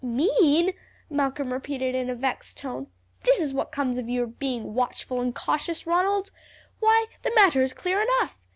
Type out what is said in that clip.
"Mean!" Malcolm repeated in a vexed tone. "This is what comes of your being watchful and cautious, Ronald. Why, the matter is clear enough.